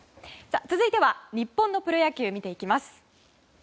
続いては、日本のプロ野球を見ていきます。